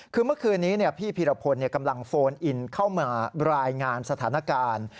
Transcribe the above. คือเมื่อคืนนี้พี่พีรพลกำลังโฟนอินเข้ามารายงานสถานการณ์